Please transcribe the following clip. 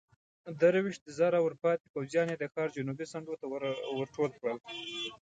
درويشت زره ورپاتې پوځيان يې د ښار جنوبي څنډو ته ورټول کړل.